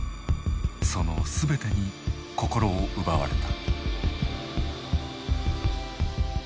その全てに心を奪われた。